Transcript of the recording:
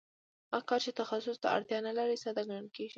هغه کار چې تخصص ته اړتیا نلري ساده ګڼل کېږي